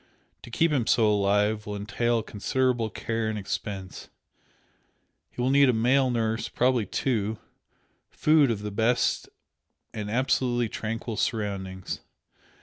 To keep him so alive will entail considerable care and expense. He will need a male nurse probably two food of the best and absolutely tranquil surroundings.